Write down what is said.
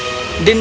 dan dia berkata